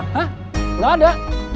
hah gak ada